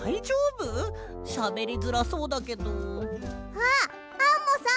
あっアンモさん！